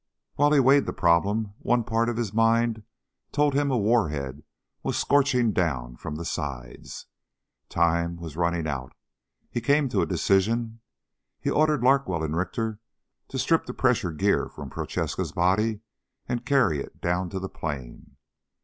While he weighed the problem, one part of his mind told him a warhead was scorching down from the sides. Time was running out. He came to a decision. He ordered Larkwell and Richter to strip the pressure gear from Prochaska's body and carry it down to the plain.